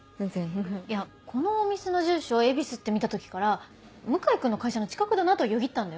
いやこのお店の住所恵比寿って見た時から向井君の会社の近くだなとはよぎったんだよ？